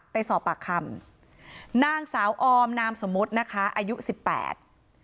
ไปสอบปากคำนางสาวออมนามสมมุตินะคะอายุสิบแปด